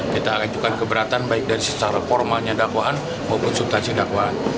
kita ajukan keberatan baik dari secara formalnya dakwaan maupun subtansi dakwaan